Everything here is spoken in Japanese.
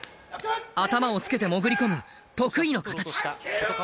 頭をつけて潜り込む得意の形。